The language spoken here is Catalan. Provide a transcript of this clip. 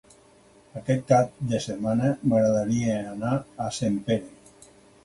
Aquest cap de setmana m'agradaria anar a Sempere.